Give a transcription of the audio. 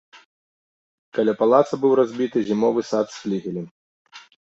Каля палаца быў разбіты зімовы сад з флігелем.